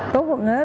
tốt hơn hết là mình